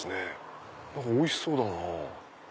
何かおいしそうだなぁ。